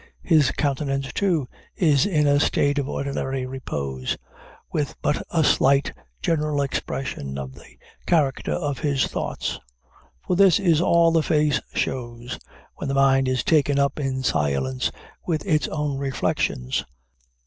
His countenance, too, is in a state of ordinary repose, with but a slight, general expression of the character of his thoughts; for this is all the face shows, when the mind is taken up in silence with its own reflections.